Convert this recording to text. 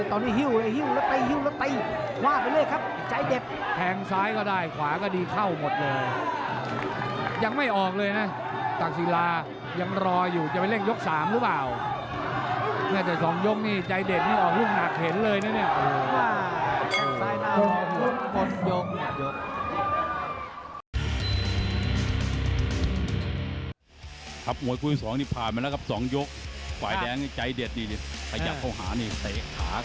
ตอนนี้หิวหิวหิวหิวหิวหิวหิวหิวหิวหิวหิวหิวหิวหิวหิวหิวหิวหิวหิวหิวหิวหิวหิวหิวหิวหิวหิวหิวหิวหิวหิวหิวหิวหิวหิวหิวหิวหิวหิวหิวหิวหิวหิวหิวหิวหิวหิวหิวหิวหิวหิวหิวหิวหิวห